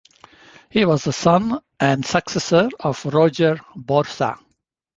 He was the son and successor of Roger Borsa.